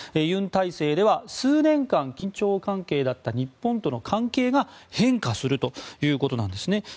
ユン体制では数年間緊張関係だった日本との関係が変化するということなんですね。